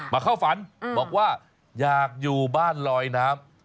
เข้าฝันบอกว่าอยากอยู่บ้านลอยน้ำ